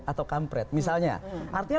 atau kampret misalnya artinya